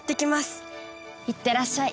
いってらっしゃい。